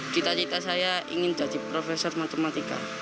cita cita saya ingin jadi profesor matematika